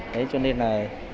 đấy cho nên là